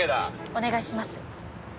お願いします。